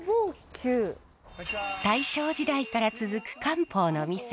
大正時代から続く漢方の店。